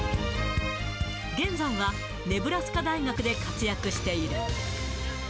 現在はネブラスカ大学で活躍している。